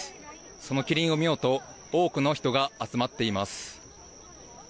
そのキリンを見ようと多くの人が集まっています。